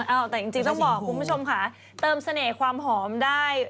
เอาแต่จริงต้องบอกคุณผู้ชมค่ะเติมเสน่ห์ความหอมได้